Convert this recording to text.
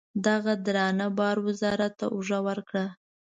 دغه درانه بار وزارت ته اوږه ورکړه.